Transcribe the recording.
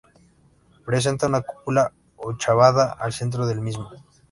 Presenta una cúpula ochavada al centro del mismo.